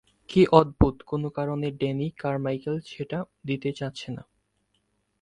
কিন্তু অদ্ভুত কোনো কারণে ড্যানি কারমাইকেল সেটা দিতে চাচ্ছে না।